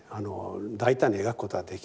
大胆に描くことはできない。